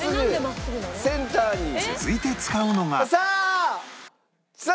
続いて使うのがさあ！